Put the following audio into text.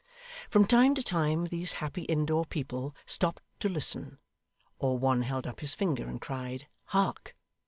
From time to time these happy indoor people stopped to listen, or one held up his finger and cried 'Hark!